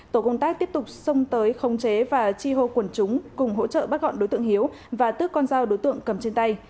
tổ công tác tiếp tục xông tới khống chế và chi hô quần chúng cùng hỗ trợ bắt gọn đối tượng hiếu và tước con dao đối tượng cầm trên tay